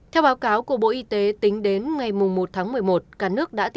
theo báo cáo của bộ y tế tính đến ngày một tháng một mươi một